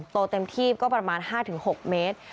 โตเต็มที่ก็ประมาณ๕๖เมตร